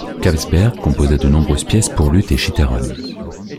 Kapsberger composa de nombreuses pièces pour luth et chitarrone.